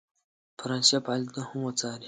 فرانسې فعالیتونه هم وڅاري.